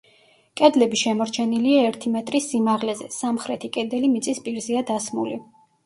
კედლები შემორჩენილია ერთი მეტრის სიმაღლეზე, სამხრეთი კედელი მიწის პირზეა დასმული.